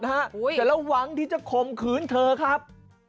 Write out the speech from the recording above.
แต่ระวังที่จะข่มขืนเธอครับ